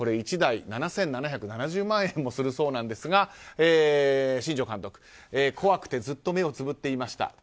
１台７７７０万円もするそうなんですが新庄監督、怖くてずっと目をつぶっていました。